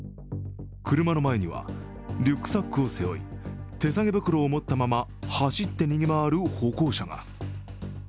車の前には、リュックサックを背負い、手提げ袋を持ったまま走って逃げ回る歩行者が。